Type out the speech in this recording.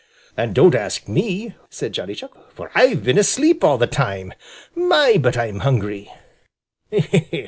"And don't ask me," said Johnny Chuck, "for I've been asleep all the time. My, but I'm hungry!"